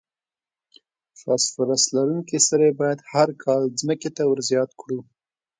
فاسفورس لرونکي سرې باید هر کال ځمکې ته ور زیات کړو.